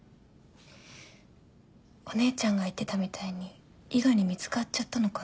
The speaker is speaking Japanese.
お姉ちゃんが言ってたみたいに伊賀に見つかっちゃったのかな？